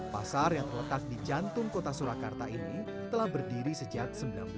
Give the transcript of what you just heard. pasar yang terletak di jantung kota surakarta ini telah berdiri sejak seribu sembilan ratus sembilan puluh